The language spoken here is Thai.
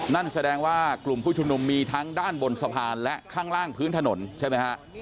นั่นแสดงว่ากลุ่มผู้ชุมนุมมีทั้งด้านบนสะพานและข้างล่างพื้นถนนใช่ไหมฮะ